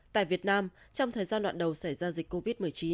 tại việt nam trong thời gian đoạn đầu xảy ra dịch covid một mươi chín